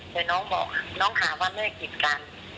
แต่น้องหาว่าแม่ผิดกัน